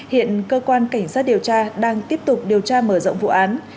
hiện cơ quan cảnh sát điều tra đang tiếp tục điều tra mở rộng vụ án